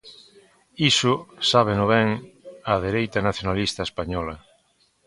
Iso sábeno ben a dereita nacionalista española.